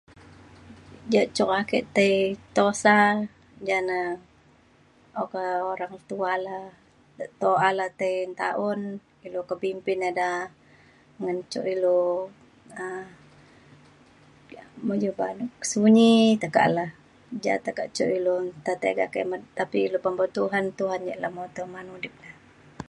Ja cuk ake tai tosa jane oka orang tua le toa le tai ntaun, ilu ke bimpin eda ngan cuk ilu um [unintelligible] sunyi tekak le. Ja teka cuk ilu nta tega kemet. Tapi ilu bempau Tuhan Tuhan ja lemoto man udip le.